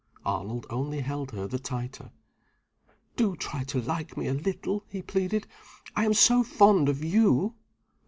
Arnold only held her the tighter. "Do try to like me a little!" he pleaded. "I am so fond of _you!